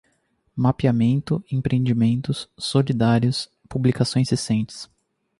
Mapeamento, empreendimentos, solidários, publicações recentes